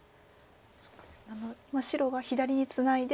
白が左にツナいで